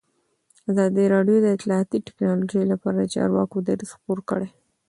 ازادي راډیو د اطلاعاتی تکنالوژي لپاره د چارواکو دریځ خپور کړی.